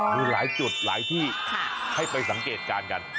มีหลายจุดหลายที่ให้ไปสังเกตการณ์กัน